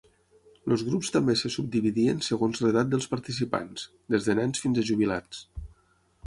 Els grups també se subdividien segons l'edat dels participants, des de nens fins a jubilats.